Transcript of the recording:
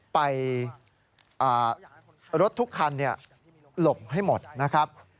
ไปรถทุกคันหลบให้หมดนะครับ